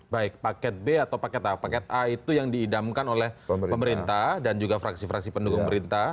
baik paket b atau paket a paket a itu yang diidamkan oleh pemerintah dan juga fraksi fraksi pendukung pemerintah